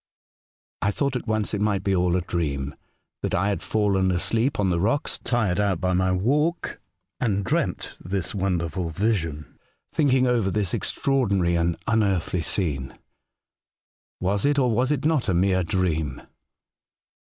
I thought at once it might be all a dream ; that I had fallen asleep on the rocks, tired out by my walk, and dreamt this wonderful vision. I went home full of doubts, thinking over this extraordinary and unearthly scene. Was it, or was it not, a mere dream